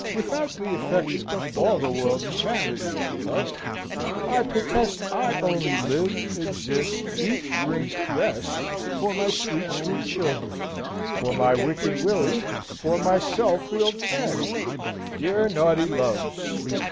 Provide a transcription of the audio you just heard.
Without the affections, all the world is vanity, my love! I protest I only live, exist, eat, drink, rest, for my sweet, sweet children! for my wicked Willy, for my self willed Fanny, dear naughty loves!"